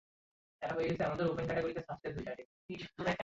A judge allowed the current practice to continue awaiting litigation.